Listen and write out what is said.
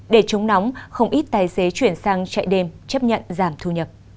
để chống nóng không ít tài xế chuyển sang chạy đêm chấp nhận giảm thu nhập